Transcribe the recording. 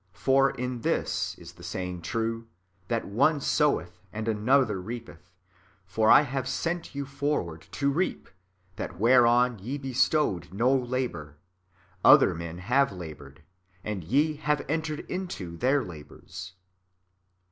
For in this is the saying true, that one soweth and another reapeth. For I have sent you forward to reap that whereon ye bestowed no labour; other men have laboured, and ye have entered into their labours."